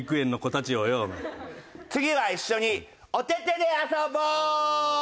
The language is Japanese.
次は一緒におててで遊ぼう！